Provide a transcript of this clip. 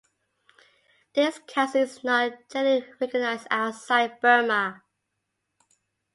This Council is not generally recognized outside Burma.